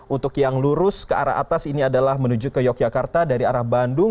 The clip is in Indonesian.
untuk yang lurus ke arah atas ini adalah menuju ke yogyakarta dari arah bandung